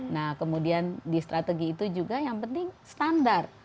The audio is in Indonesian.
nah kemudian di strategi itu juga yang penting standar